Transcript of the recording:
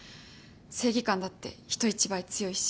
正義感だって人一倍強いし。